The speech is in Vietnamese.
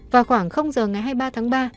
vào khoảng giờ ngày hai mươi ba tháng ba